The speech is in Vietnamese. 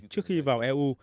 trước khi vào eu